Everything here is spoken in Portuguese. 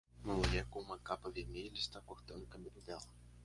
Uma mulher com uma capa vermelha está cortando o cabelo dela.